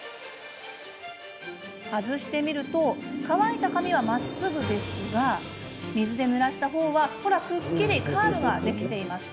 外してみると乾いた髪はまっすぐですが水でぬらしたほうはくっきりカールができています。